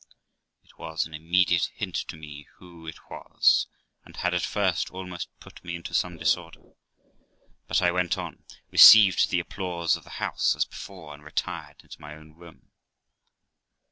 It was an immediate hint to me who it was, and had at first almost put me into some disorder; but I went on, received the applause of the house, as before, and retired into my own room.